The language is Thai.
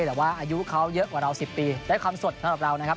แต่ว่าอายุเขาเยอะกว่าเรา๑๐ปีได้ความสดสำหรับเรานะครับ